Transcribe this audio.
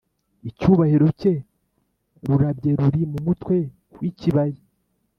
icyubahiro cye rurabye ruri mu mutwe w ikibaya